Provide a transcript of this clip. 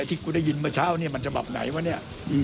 ที่กูได้ยินเมื่อเช้าเนี่ยมันฉบับไหนวะเนี่ย